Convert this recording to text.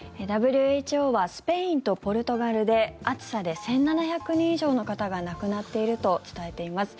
ＷＨＯはスペインとポルトガルで暑さで１７００人以上の方が亡くなっていると伝えています。